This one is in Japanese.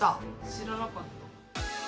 知らなかった。